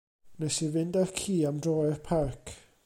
Wnes i fynd â'r ci am dro i'r parc.